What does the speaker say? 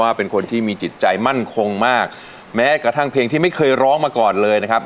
เป็นคนที่มีจิตใจมั่นคงมากแม้กระทั่งเพลงที่ไม่เคยร้องมาก่อนเลยนะครับ